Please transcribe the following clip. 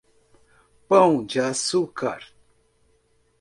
Pão de Açúcar